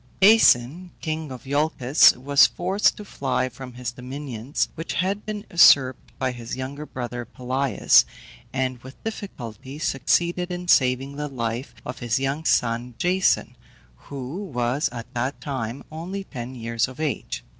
Aeson, king of Iolcus, was forced to fly from his dominions, which had been usurped by his younger brother, Pelias, and with difficulty succeeded in saving the life of his young son, Jason, who was at that time only ten years of age.